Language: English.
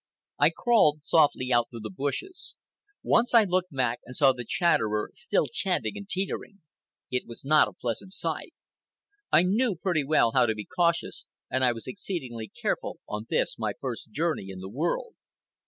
I crawled softly out through the bushes. Once I looked back and saw the Chatterer still chanting and teetering. It was not a pleasant sight. I knew pretty well how to be cautious, and I was exceedingly careful on this my first journey in the world.